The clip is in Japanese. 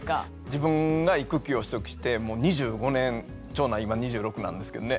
自分が育休を取得して２５年長男今２６なんですけどね。